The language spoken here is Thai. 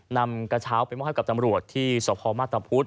นำกระเช้าไปมอบให้กับตำรวจที่สพมาตรพุธ